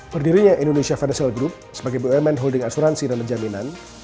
berdirinya indonesia financial group sebagai bumn holding asuransi dan penjaminan